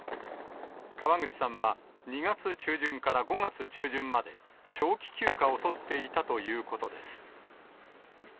河口さんは２月中旬から５月中旬まで長期休暇を取っていたということです。